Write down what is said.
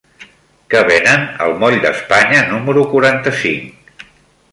Què venen al moll d'Espanya número quaranta-cinc?